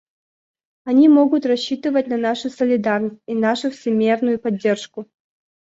Они могут рассчитывать на нашу солидарность и нашу всемерную поддержку.